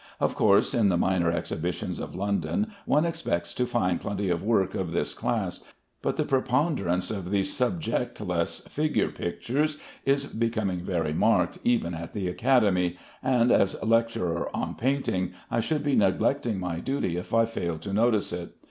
Of course, in the minor exhibitions of London one expects to find plenty of work of this class, but the preponderance of these subjectless figure pictures is becoming very marked even at the Academy; and as lecturer on painting, I should be neglecting my duty if I failed to notice it.